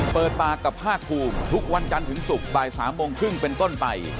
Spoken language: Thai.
เปิดปากกับภาคภูมิทุกวันจันทร์ถึงศุกร์บ่าย๓โมงครึ่งเป็นต้นไป